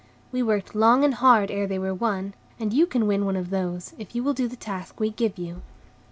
We worked long and hard ere they were won, and you can win one of those, if you will do the task we give you."